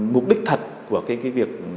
mục đích thật của việc